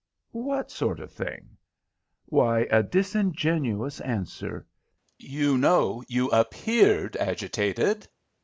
"What sort of thing?" "Why, a disingenuous answer. You know you appeared agitated.